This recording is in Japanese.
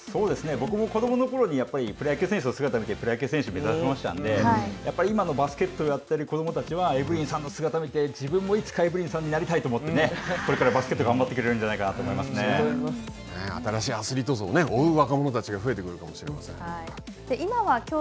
僕も子どものころにやっぱりプロ野球選手の姿を見てプロ野球選手を目指しましたので、やっぱり今のバスケットをやっている子どもたちは、エブリンさんの姿を見て、自分もいつかエブリンさんになりたいと思って、これからバスケット、頑張ってくれるんじゃ新しいアスリート像を追う若者たちが増えていくかもしれません。